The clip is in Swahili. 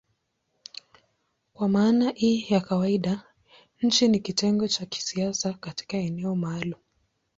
Kwa maana hii ya kawaida nchi ni kitengo cha kisiasa katika eneo maalumu.